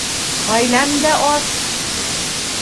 Ғаиләм дә ас.